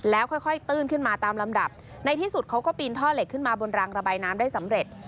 แล้วค่อยตื้นขึ้นมาตามลำดับในที่สุดเขาก็ปีนท่อเหล็กขึ้นมาบนรางระบายน้ำได้สำเร็จ